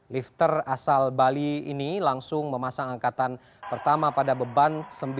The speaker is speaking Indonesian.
lifter asal bali ini langsung memasang angkatan pertama pada beban sembilan puluh